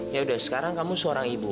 yaudah sekarang kamu seorang ibu